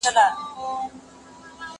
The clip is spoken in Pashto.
زه مخکي چپنه پاک کړې وه!؟